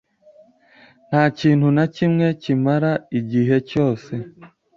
Nta kintu na kimwe kimara igihe cyose.